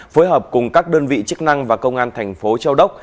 phối hợp cùng các đơn vị chức năng và công an thành phố châu đốc